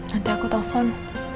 nanti aku telfon